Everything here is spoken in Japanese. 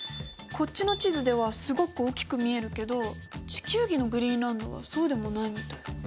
こっちの地図ではすごく大きく見えるけど地球儀のグリーンランドはそうでもないみたい。